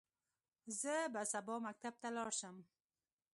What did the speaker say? زه به سبا مکتب ته لاړ شم.